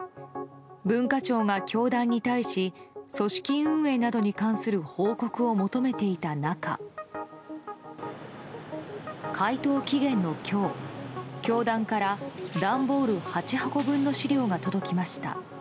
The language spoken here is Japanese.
文化庁が教団に対し組織運営などに関する報告を求めていた中回答期限の今日教団から段ボール８箱分の資料が届きました。